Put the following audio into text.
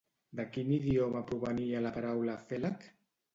De quin idioma provenia la paraula Félag?